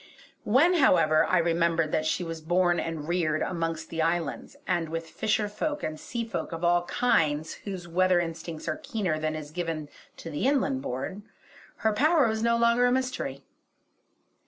When, however, I remembered that she was born and reared amongst the islands, and with fisher folk and sea folk of all kinds whose weather instincts are keener than is given to the inland born, her power was no longer a mystery.